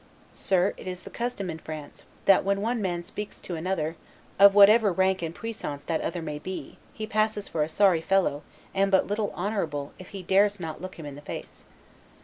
"Sir, it is the custom in France, that when one man speaks to another, of whatever rank and puissance that other may be, he passes for a sorry fellow, and but little honorable, if he dares not look him in the face."